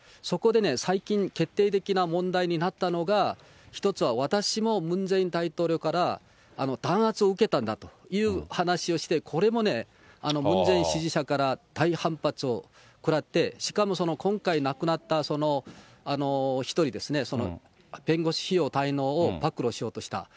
そこで最近、決定的な問題になったのが、一つは、私もムン・ジェイン大統領から弾圧を受けたんだという話をして、これもね、ムン・ジェイン支持者から大反発を食らって、しかもその今回亡くなったその１人ですね、その弁護士費用代納を暴露しようとした。